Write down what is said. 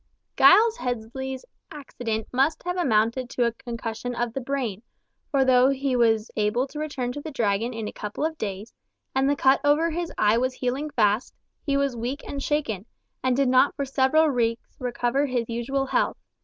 Giles Headley's accident must have amounted to concussion of the brain, for though he was able to return to the Dragon in a couple of days, and the cut over his eye was healing fast, he was weak and shaken, and did not for several weeks recover his usual health.